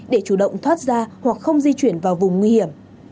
để chủ động thoát ra hoặc không di chuyển vào vùng nguy hiểm